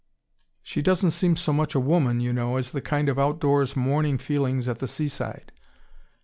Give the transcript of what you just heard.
She doesn't seem so much a woman, you know, as the kind of out of doors morning feelings at the seaside."